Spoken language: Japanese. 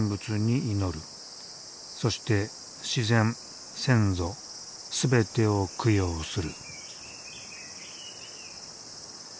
そして自然先祖全てを供養する。